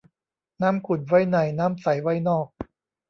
น้ำขุ่นไว้ในน้ำใสไว้นอก